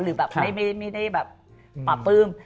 หรือไม่ได้ปะปื้ม